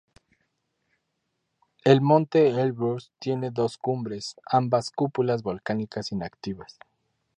El monte Elbrús tiene dos cumbres, ambas cúpulas volcánicas inactivas.